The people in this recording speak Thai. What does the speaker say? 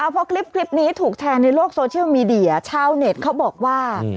พอคลิปนี้ถูกแชร์ในโลกโซเชียลมีเดียชาวเน็ตเขาบอกว่า